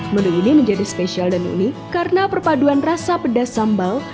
menu ini menjadi spesial dan unik karena perpaduan rasa pedas sambal